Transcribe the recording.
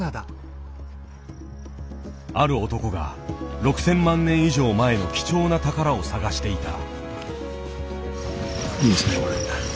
ある男が６，０００万年以上前の貴重な宝を探していた。